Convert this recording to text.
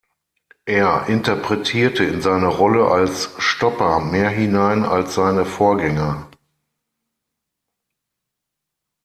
Er interpretierte in seine Rolle als „Stopper“ mehr hinein als seine Vorgänger.